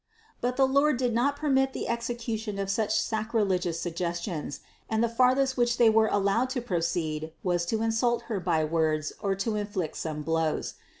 But the Lord did not permit the execution of such sacrilegious sugges tions; and the farthest which they were allowed to pro ceed, was to insult Her by words or to inflict some blows.